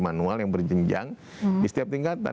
manual yang berjenjang di setiap tingkatan